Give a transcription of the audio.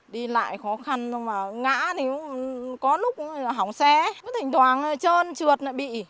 đi lại khó khăn ngã thì có lúc hỏng xe thỉnh thoảng trơn trượt lại bị